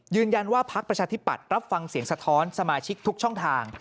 ยืนยันว่าพักภักดิ์ประชาธิบัตรรับฟังเสียงสะท้อนสมาชิกทุกช่องทาง